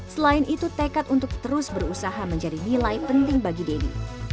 selain itu tekad untuk terus berusaha menjadi nilai penting bagi denny